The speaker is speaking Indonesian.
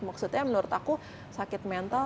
maksudnya menurut aku sakit mental